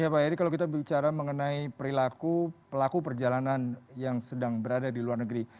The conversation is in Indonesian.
ya pak heri kalau kita bicara mengenai perilaku pelaku perjalanan yang sedang berada di luar negeri